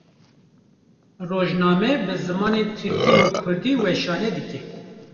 Rojname bi zimanê Tirkî û Kurdî weşanê dike.